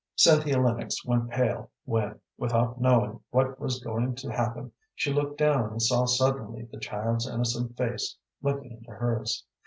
Cynthia Lennox went pale when, without knowing what was going to happen, she looked down and saw suddenly the child's innocent face looking into hers.